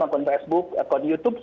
akun facebook akun youtube